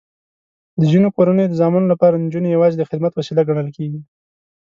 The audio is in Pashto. د ځینو کورنیو د زامنو لپاره نجونې یواځې د خدمت وسیله ګڼل کېږي.